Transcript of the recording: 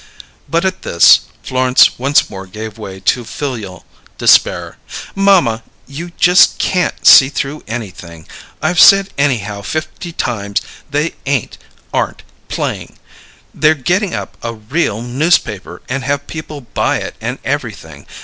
But at this, Florence once more gave way to filial despair. "Mamma, you just can't see through anything! I've said anyhow fifty times they ain't aren't playing! They're getting up a real newspaper, and have people buy it and everything.